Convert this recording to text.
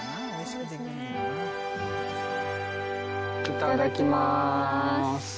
いただきます。